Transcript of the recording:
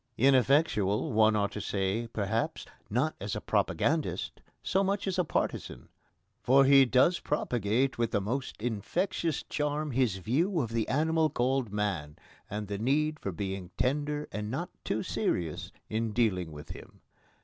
Ineffectual, one ought to say, perhaps, not as a propagandist so much as a partisan. For he does propagate with the most infectious charm his view of the animal called man, and the need for being tender and not too serious in dealing with him.